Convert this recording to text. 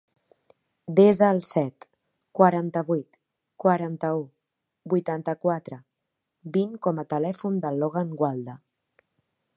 Desa el set, quaranta-vuit, quaranta-u, vuitanta-quatre, vint com a telèfon del Logan Gualda.